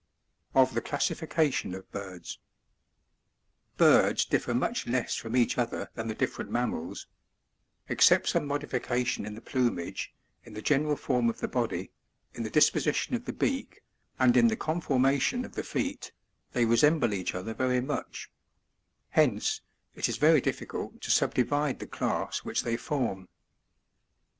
Of the Classification of Birds, 16. Birds differ much less from each other than the different mammals; except some modification in the r^umage, in the general form of the body, in the disposition of the beak, and in the conformation of the feet, they resemble each other very much ; hence, it is very difficult to subdivide the class which they form.